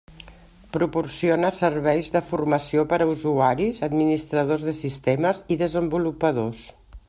Proporciona serveis de formació per a usuaris, administradors de sistemes i desenvolupadors.